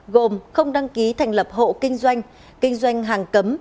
gồm không đăng ký thành lập hộ kinh doanh kinh doanh hàng cấm